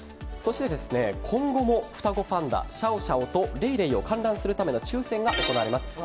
そして、今後も双子パンダシャオシャオとレイレイを観覧するための抽選が行われます。